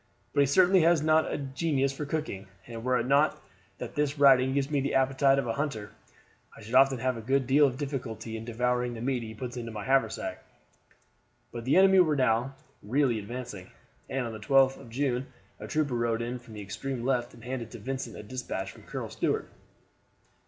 But he certainly has not a genius for cooking, and were it not that this riding gives one the appetite of a hunter, I should often have a good deal of difficulty in devouring the meat he puts into my haversack." But the enemy were now really advancing, and on the 12th of June a trooper rode in from the extreme left, and handed to Vincent a despatch from Colonel Stuart.